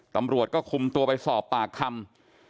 ตำรวจก็คุมตัวไปสอบปากคำ